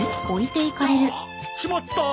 ああっ！しまった！